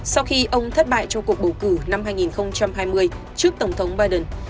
sau khi ông thất bại cho cuộc bầu cử năm hai nghìn hai mươi trước tổng thống biden